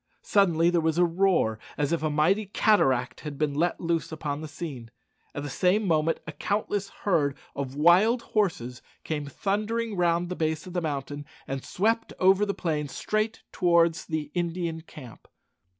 Suddenly there was a roar as if a mighty cataract had been let loose upon the scene. At the same moment a countless herd of wild horses came thundering round the base of the mountain and swept over the plain straight towards the Indian camp.